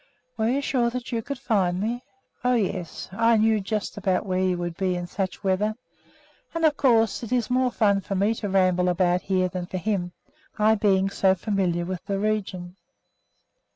"Were you sure that you could find me?" "Oh, yes! I knew just about where you would be in such weather. And, of course, it is more fun for me to ramble around here than for him, I being so familiar with the region."